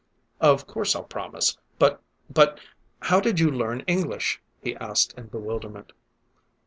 "Of course I'll promise. But but, how did you learn English?" he asked in bewilderment.